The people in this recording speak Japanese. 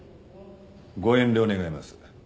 ご遠慮願います。